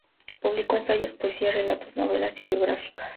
Publicó ensayos, poesía, relatos, novelas y biografías.